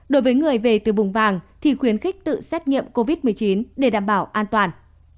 đối với người về từ vùng vàng thì khuyến khích tự xét nghiệm covid một mươi chín để đảm bảo an toàn